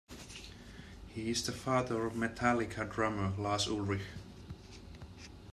He is the father of Metallica drummer Lars Ulrich.